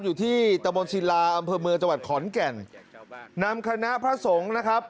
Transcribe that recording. อยู่ที่ตะบนศิลาอำเภอเมืองจังหวัดขอนแก่นนำคณะพระสงฆ์นะครับ